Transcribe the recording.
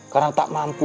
karena tak mampu